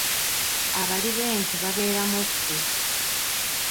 Abali b'enkwe babeera mu ffe.